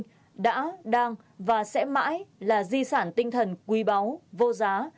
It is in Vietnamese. chủ tịch hồ chí minh đã đang và sẽ mãi là di sản tinh thần quý báu vô giá